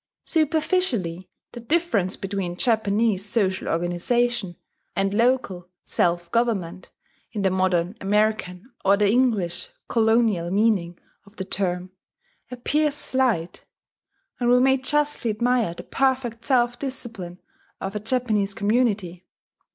Superficially the difference between Japanese social organization, and local self government in the modern American, or the English colonial meaning of the term, appears slight; and we may justly admire the perfect self discipline of a Japanese community.